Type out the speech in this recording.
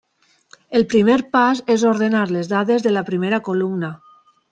El primer pas és ordenar les dades de la primera columna.